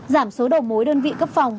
giảm số đầu mối đơn vị cấp phòng